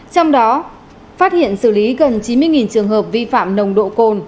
trong đó phát hiện xử lý gần chín mươi trường hợp vi phạm nồng độ cồn